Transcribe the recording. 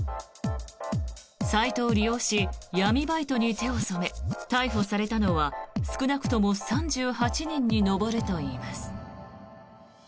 サイトを利用し闇バイトに手を染め逮捕されたのは少なくとも３８人に上るといいます。